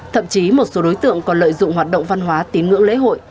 thậm chí một số đối tượng còn lợi dụng hoạt động văn hóa tín ngưỡng lễ hội